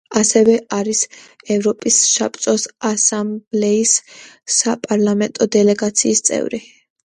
ასევე არის ევროპის საბჭოს ასამბლეის საპარლამენტო დელეგაციის წევრი.